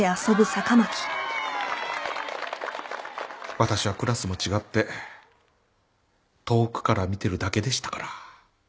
私はクラスも違って遠くから見てるだけでしたから。